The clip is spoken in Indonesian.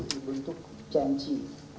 di bentuk janji